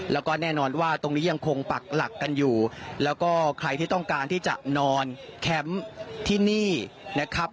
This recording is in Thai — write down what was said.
แล้วก็แน่นอนว่าตรงนี้ยังคงปักหลักกันอยู่แล้วก็ใครที่ต้องการที่จะนอนแคมป์ที่นี่นะครับ